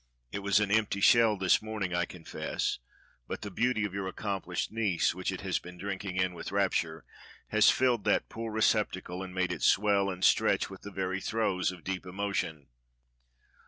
It was an empty shell this morning, I confess, but the beauty of your accomplished niece, which it has been drinking in with rapture, has filled that poor receptacle and made it swell and stretch with the very throes of deep emo tion."